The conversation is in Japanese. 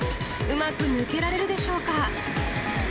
うまく抜けられるでしょうか。